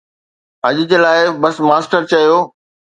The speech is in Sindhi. ”اڄ جي لاءِ بس،“ ماسٽر چيو.